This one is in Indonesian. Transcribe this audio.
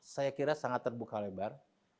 saya kira sangat terbuka lebar